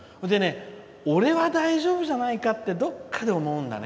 俺は大丈夫じゃないかってどっかで思うんだね。